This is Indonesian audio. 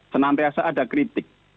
senantiasa ada kritik